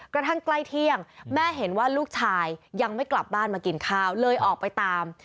กระทั่งใกล้เที่ยงแม่เห็นว่าลูกชายยังไม่กลับบ้านมากินข้าวเลยออกไปตาม